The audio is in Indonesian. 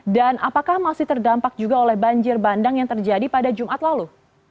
dan apakah masih terdampak juga oleh banjir bandang yang terjadi pada jumat lalu